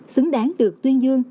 xứng đáng được tuyên dương